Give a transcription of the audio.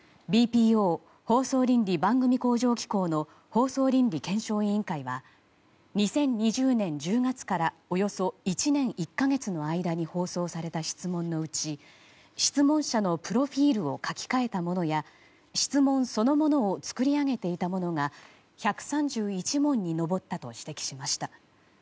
ＢＰＯ・放送倫理・番組向上機構の放送倫理検証委員会は２０２０年１０月からおよそ１年１か月の間に放送された質問のうち質問者のプロフィールを書き換えたものや質問そのものを作り上げていたものが１３１問に上ったと指摘しました。